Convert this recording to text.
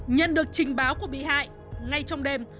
nhận được trình báo của bị hại ngay trong đêm